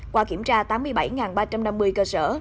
qua kiểm tra tám mươi bảy ba trăm năm mươi cơ sở